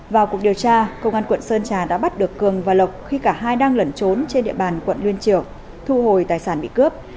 vào cuộc điều tra công an quận sơn trà đã bắt được cường và lộc khi cả hai đang lẩn trốn trên địa bàn quận liên triều thu hồi tài sản bị cướp